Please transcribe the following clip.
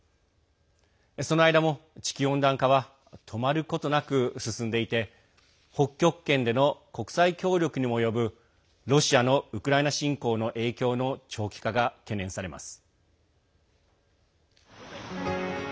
その間も、地球温暖化は止まることなく進んでいて北極圏での国際協力にも及ぶロシアのウクライナ侵攻の影響の長期化が懸念されます。